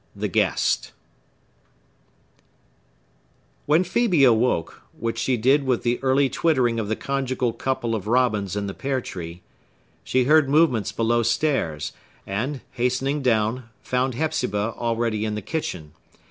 The Guest When Phœbe awoke,—which she did with the early twittering of the conjugal couple of robins in the pear tree,—she heard movements below stairs, and, hastening down, found Hepzibah already in the kitchen.